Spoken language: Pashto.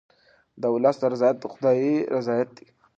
د ولس رضایت د خدای رضایت دی.